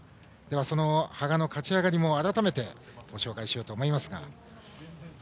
その羽賀の勝ち上がりも改めてご紹介しようと思います。